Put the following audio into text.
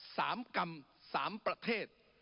กรรมสามประเทศ